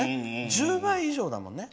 １０倍以上だもんね。